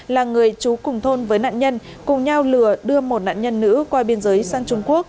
là người trú cùng thôn với nạn nhân cùng nhau lừa đưa một nạn nhân nữ qua biên giới sang trung quốc